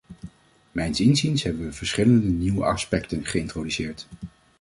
Mijns inziens hebben we verschillende nieuwe aspecten geïntroduceerd.